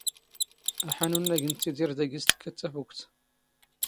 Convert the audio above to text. ⴰⵃⴰⵏⵓ ⵏⵏⴰ ⴳ ⵏⵜⵜⵉⴷⵉⵔ ⴷⴰ ⴳⵉⵙ ⵜⴽⴽⴰⵜ ⵜⴼⵓⴽⵜ.